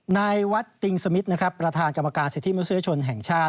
นายวัดติงสมิทนะครับประธานกรรมการสิทธิมนุษยชนแห่งชาติ